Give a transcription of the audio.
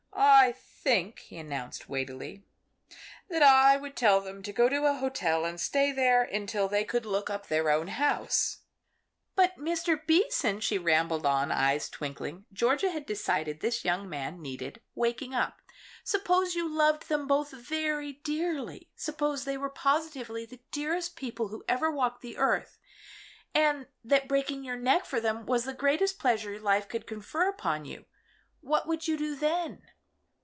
"I think," he announced, weightily, "that I would tell them to go to a hotel and stay there until they could look up their own house." "But Mr. Beason," she rambled on, eyes twinkling Georgia had decided this young man needed "waking up" "suppose you loved them both very dearly suppose they were positively the dearest people who ever walked the earth and that breaking your neck for them was the greatest pleasure life could confer upon you what would you do _then?